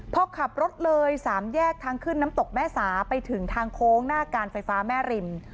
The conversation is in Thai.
พอขับรถเลย๓แยกทางขึ้นน้ำตกแม่สาไปถึงทางโค้งหน้าการไฟฟ้าแม่ริม